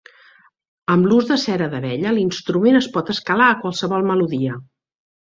Amb l'ús de cera d'abella, l'instrument es pot escalar a qualsevol melodia.